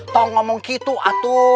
tengomong gitu atu